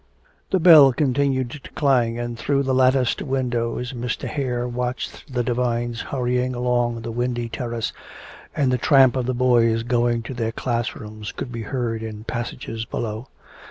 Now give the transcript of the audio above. The bell continued to clang, and through the latticed windows Mr. Hare watched the divines hurrying along the windy terrace, and the tramp of the boys going to their class rooms could be heard in passages below.